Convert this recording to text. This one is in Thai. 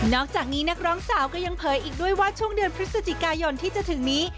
อกจากนี้นักร้องสาวก็ยังเผยอีกด้วยว่าช่วงเดือนพฤศจิกายนที่จะถึงนี้